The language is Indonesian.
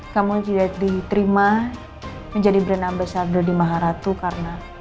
kamu tidak diterima menjadi berenang besar daudi maharatu karena